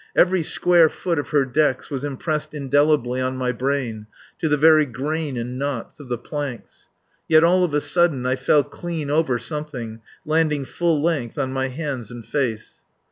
Every square foot of her decks was impressed indelibly on my brain, to the very grain and knots of the planks. Yet, all of a sudden, I fell clean over something, landing full length on my hands and face.